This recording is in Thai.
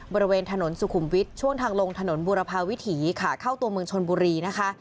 บริเวณถนนสุขุมวิทย์ช่วงทางลงถนนบูรพาวิถีขาเข้าตัวเมืองชนบุรีนะคะ